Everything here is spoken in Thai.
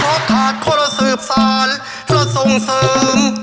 เพราะขาดคนสืบสารและสงสืม